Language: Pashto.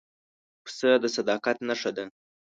پسه د صداقت نښه ده.